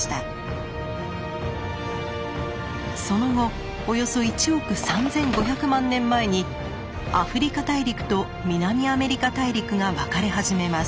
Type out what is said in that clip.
その後およそ１億３，５００万年前にアフリカ大陸と南アメリカ大陸が分かれ始めます。